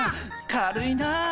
軽いな。